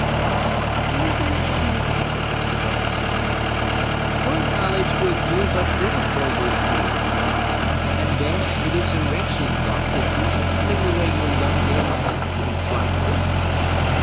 "Ah! Phœbe," said Hepzibah, sighing, "your knowledge would do but little for you here! And then it is a wretched thought that you should fling away your young days in a place like this.